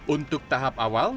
untuk tahap awal